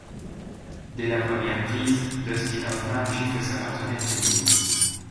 Dès la première prise, Dustin Hoffman gifle sa partenaire féminine.